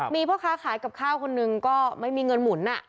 มีพ่อค้าขายกับข้าวคนหนึ่งก็ไม่มีเงินหมุน